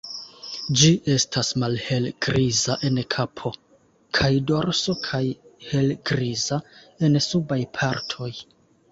Ĝi estas malhelgriza en kapo kaj dorso kaj helgriza en subaj partoj.